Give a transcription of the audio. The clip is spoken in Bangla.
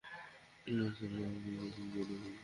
বস্তুর আরও ক্ষুদ্রতম অস্তিত্ব রয়েছে।